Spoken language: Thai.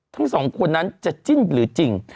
ทั้งสองคนนั้นจะจิ้นหรือจริง